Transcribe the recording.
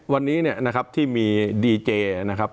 วันนี้เนี่ยนะครับที่มีดีเจนะครับ